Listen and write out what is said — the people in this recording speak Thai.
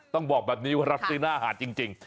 ต้องบอกแบบนี้ว่ารับซื้อหน้าหาดจริง